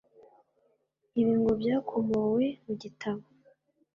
Ibi ngo byakomowe mu gitabo